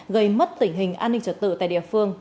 gây mất tình hình an ninh trật tự tại địa phương